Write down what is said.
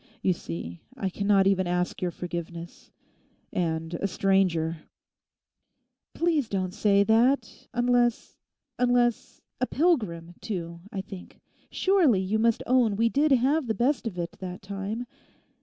You see, I cannot even ask your forgiveness—and a stranger!' 'Please don't say that—unless—unless—a "pilgrim" too. I think, surely, you must own we did have the best of it that time.